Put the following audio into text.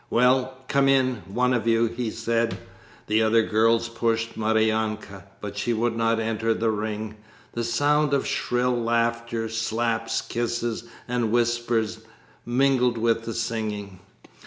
'Well, come in, one of you!' he said. The other girls pushed Maryanka, but she would not enter the ring. The sound of shrill laughter, slaps, kisses, and whispers mingled with the singing.